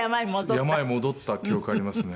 山へ戻った記憶がありますね。